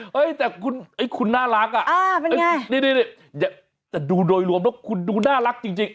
เฮ้ยแต่คุณน่ารักอ่ะนี่แต่ดูโดยรวมแล้วคุณดูน่ารักจริง